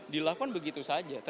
dilakukan begitu saja